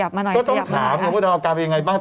ก็ต้องถามคุณพระดำอาการเป็นยังไงบ้าง